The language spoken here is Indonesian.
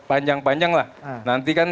panjang panjang lah nanti kan